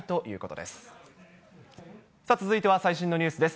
続いては最新のニュースです。